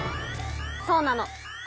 そうなの。